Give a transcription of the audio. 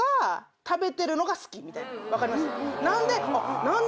分かります？